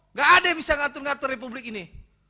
nggak ada yang bisa ngatur ngatur republik ini